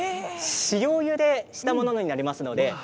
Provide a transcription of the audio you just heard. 塩ゆでしたものになります。